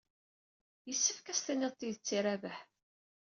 Isefk ad s-tinniḍ tidet i Rabaḥ.